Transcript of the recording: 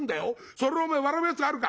それをお前笑うやつがあるか。